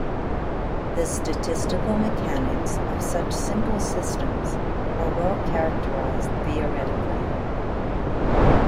The statistical mechanics of such simple systems are well-characterized theoretically.